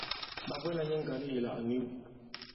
Ɓa bwɛla nyɛ ŋgale ìla à niw.